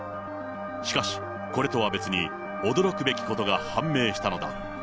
しかし、これとは別に驚くべきことが判明したのだ。